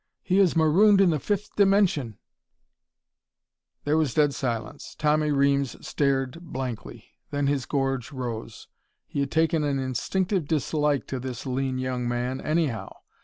He is marooned in the fifth dimension!" There was dead silence. Tommy Reames stared blankly. Then his gorge rose. He had taken an instinctive dislike to this lean young man, anyhow.